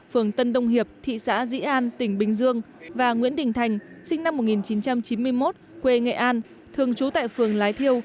phường tân đông hiệp thị xã dĩ an tỉnh bình dương và nguyễn đình thành sinh năm một nghìn chín trăm chín mươi một quê nghệ an thường trú tại phường lái thiêu